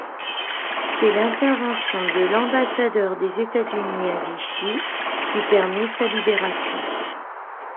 C'est l'intervention de l'ambassadeur des États-Unis à Vichy qui permet sa libération.